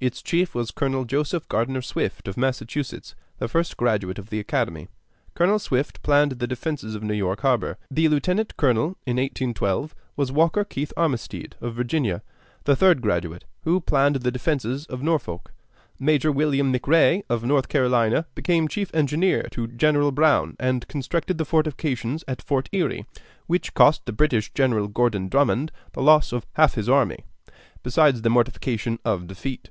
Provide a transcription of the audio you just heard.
Its chief was Colonel Joseph Gardner Swift, of Massachusetts, the first graduate of the academy: Colonel Swift planned the defenses of New York Harbor. The lieutenant colonel in 1812 was Walker Keith Armistead, of Virginia, the third graduate, who planned the defenses of Norfolk. Major William McRee, of North Carolina, became chief engineer to General Brown and constructed the fortifications at Fort Erie, which cost the British General Gordon Drummond the loss of half his army, besides the mortification of defeat.